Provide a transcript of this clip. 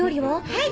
はい。